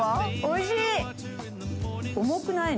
おいしい！